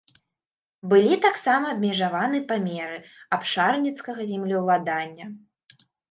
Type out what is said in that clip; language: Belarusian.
Былі таксама абмежаваны памеры абшарніцкага землеўладання.